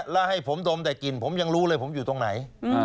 แล้วให้ผมดมแต่กลิ่นผมยังรู้เลยผมอยู่ตรงไหน